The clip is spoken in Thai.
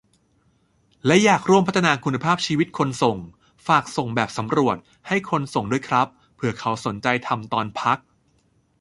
และอยากร่วมพัฒนาคุณภาพชีวิตคนส่ง - ฝากส่งแบบสำรวจ ให้คนส่งด้วยครับ เผื่อเขาสนใจทำตอนพัก